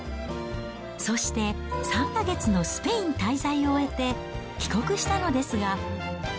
そして、３か月のスペイン滞在を終えて帰国したのですが。